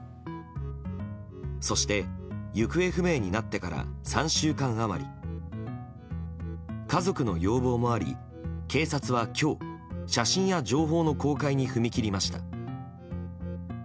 そして、行方不明になってから３週間余り家族の要望もあり、警察は今日写真や情報の公開に踏み切りました。